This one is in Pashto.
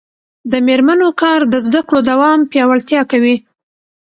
د میرمنو کار د زدکړو دوام پیاوړتیا کوي.